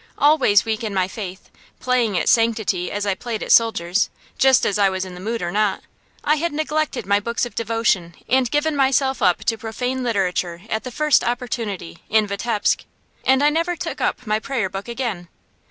Always weak in my faith, playing at sanctity as I played at soldiers, just as I was in the mood or not, I had neglected my books of devotion and given myself up to profane literature at the first opportunity, in Vitebsk; and I never took up my prayer book again.